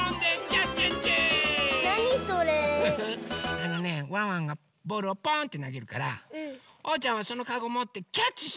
あのねワンワンがボールをポーンとなげるからおうちゃんはそのかごもってキャッチしてください。